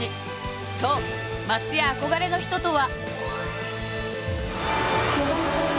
そう松也憧れの人とは。